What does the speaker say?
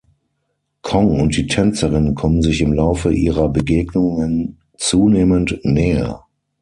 Kong und die Tänzerin kommen sich im Laufe ihrer Begegnungen zunehmend näher.